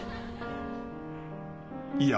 ［いや。